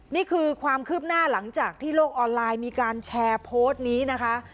นี่คือความคืบหน้าหลังจากที่โลกออนไลน์มีการแชร์โพสต์นี้นะคะ